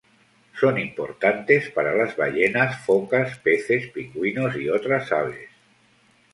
Son importantes para las ballenas, focas, peces, pingüinos, y otras aves.